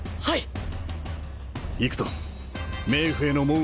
はい！